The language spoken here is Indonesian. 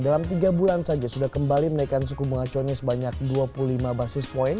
dalam tiga bulan saja sudah kembali menaikkan suku bunga cuannya sebanyak dua puluh lima basis point